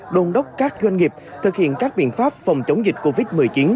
đồn đốc các doanh nghiệp thực hiện các biện pháp phòng chống dịch covid một mươi chín